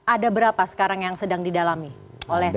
ada berapa sekarang yang sedang didalami oleh